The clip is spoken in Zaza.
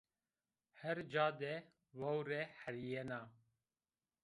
Her ca de vewre helîyena